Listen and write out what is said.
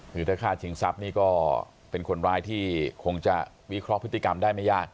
คือถ้าฆ่าชิงทรัพย์นี่ก็เป็นคนร้ายที่คงจะวิเคราะห์พฤติกรรมได้ไม่ยาก